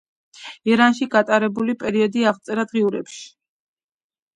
ირანში გატარებული პერიოდი აღწერა დღიურებში.